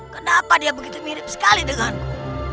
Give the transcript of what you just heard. kenapa dia begitu mirip sekali denganmu